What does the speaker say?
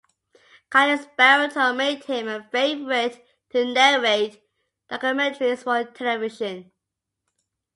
Kiley's baritone made him a favorite to narrate documentaries for television.